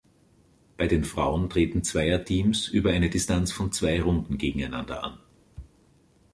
Bei den Frauen treten Zweierteams über eine Distanz von zwei Runden gegeneinander an.